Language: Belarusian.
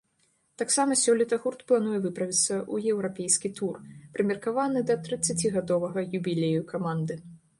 Таксама сёлета гурт плануе выправіцца ў еўрапейскі тур, прымеркаваны да трыццацігадовага юбілею каманды.